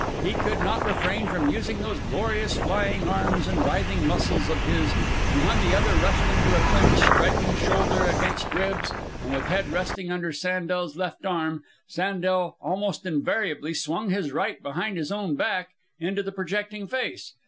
He could not refrain from using those glorious flying arms and writhing muscles of his, and when the other rushed into a clinch, striking shoulder against ribs, and with head resting under Sandel's left arm, Sandel almost invariably swung his right behind his own back and into the projecting face.